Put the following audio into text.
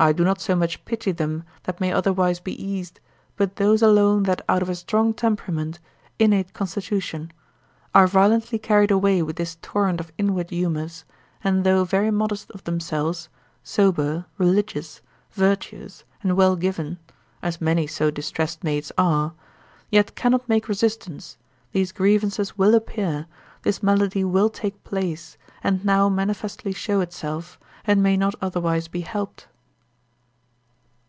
I do not so much pity them that may otherwise be eased, but those alone that out of a strong temperament, innate constitution, are violently carried away with this torrent of inward humours, and though very modest of themselves, sober, religious, virtuous, and well given, (as many so distressed maids are,) yet cannot make resistance, these grievances will appear, this malady will take place, and now manifestly show itself, and may not otherwise be helped.